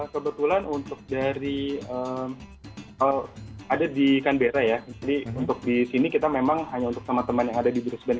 kebetulan untuk dari ada di canberra ya jadi untuk di sini kita memang hanya untuk teman teman yang ada di brisbane